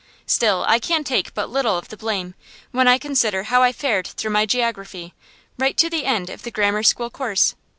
Still, I can take but little of the blame, when I consider how I fared through my geography, right to the end of the grammar school course.